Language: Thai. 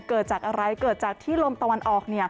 เกิดจากอะไรเกิดจากที่ลมตะวันออก